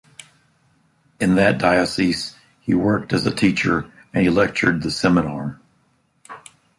In that diocese, he worked as a teacher and he lectured the Seminar.